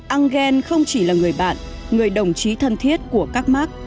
engel không chỉ là người bạn người đồng chí thân thiết của các mark